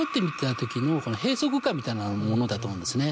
みたいなものだと思うんですね。